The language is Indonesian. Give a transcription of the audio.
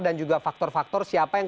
dan juga faktor faktor siapa yang